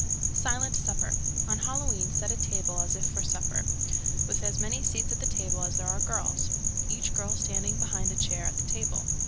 _ 317. "Silent Supper." On Halloween set a table as if for supper, with as many seats at the table as there are girls, each girl standing behind a chair at the table.